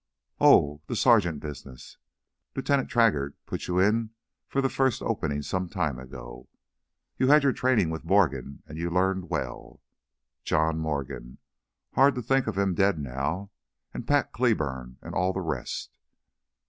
Oh, the sergeant business. Lieutenant Traggart put you in for the first openin' some time ago. You had your trainin' with Morgan, and you learned well. John Morgan ... hard to think of him dead now. And Pat Cleburne ... and all the rest.